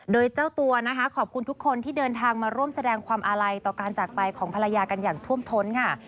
โดยเจ้าตัวนะคะขอบคุณทุกคนที่เดินทางมาร่วมแสดงความอาลัยต่อการจากไปของภรรยากันอย่างท่วมท้นค่ะ